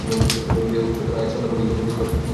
দেখ সুলতান, আজকে সন্ধ্যা পর্যন্ত সময় আছে তোর হাতে।